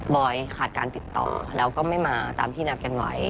อยขาดการติดต่อแล้วก็ไม่มาตามที่นัดกันไว้